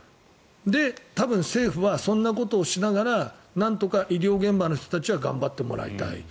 多分政府はそんなことをしながらなんとか医療現場の人たちは頑張ってもらいたい。